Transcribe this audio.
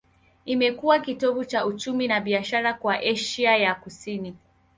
Imekuwa kitovu cha uchumi na biashara kwa Asia ya Kusini.